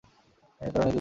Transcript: একারণেই দেরি হইসে।